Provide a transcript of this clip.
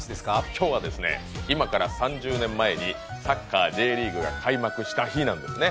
今日はですね、今から３０年前にサッカーＪリーグが開幕した日なんですね。